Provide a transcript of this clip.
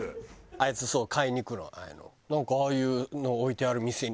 あいつそう買いに行くのああいうの。